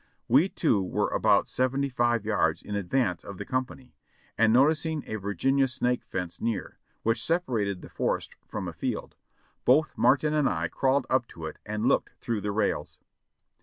We two were about seventy five yards in advance of the com pany, and noticing a Virginia snake fence near, which separated the forest from a field, both Martin and I crawled up to it and looked through the rails.